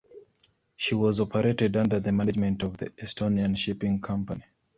She was operated under the management of the Estonian Shipping Company.